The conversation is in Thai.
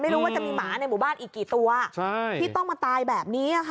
ไม่รู้ว่าจะมีหมาในหมู่บ้านอีกกี่ตัวที่ต้องมาตายแบบนี้ค่ะ